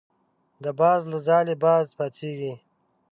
د باز له ځالې باز پاڅېږي.